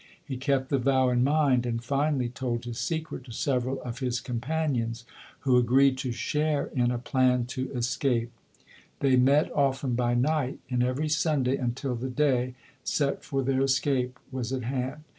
He kept the vow in mind and finally told his secret to several of his companions, who agreed to share in a plan to escape. They met often by night and every Sunday un til the day set for their escape was at hand.